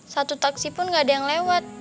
satu taksi pun nggak ada yang lewat